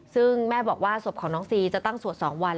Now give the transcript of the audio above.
ซึ่งแม่บอกว่าศพของน้องซีจะตั้งสวด๒วัน